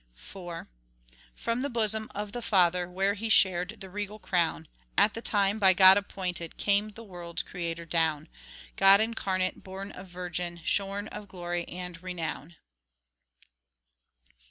IV From the bosom of the Father, Where He shared the regal crown, At the time by God appointed, Came the world's Creator down— God incarnate, born of Virgin, Shorn of glory and renown.